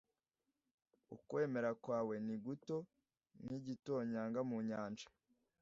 Ukwemera kwawe ni guto nk’Igitonyanga mu nyanja